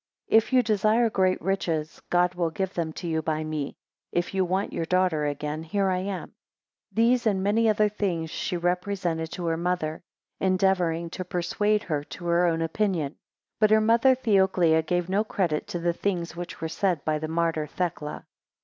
If you desire great riches, God will give them to you by me; if you want your daughter again, here I am. 9 These and many other things she represented to her mother, (endeavouring) to persuade her (to her own opinion). But her mother Theoclia gave no credit to the things which were said by the martyr Thecla.